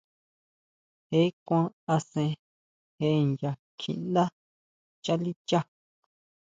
Je kuan asén je nya kjiʼndá chalicha.